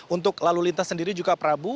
untuk lalu lintas sendiri juga prabu